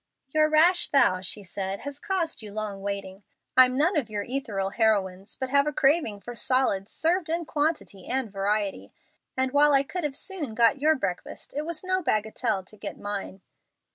"Your rash vow," she said, "has caused you long waiting. I'm none of your ethereal heroines, but have a craving for solids served in quantity and variety. And while I could have soon got your breakfast it was no bagatelle to get mine."